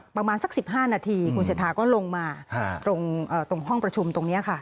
ประมาณสัก๑๕นาทีคุณเศรษฐาก็ลงมาตรงห้องประชุมตรงนี้ค่ะ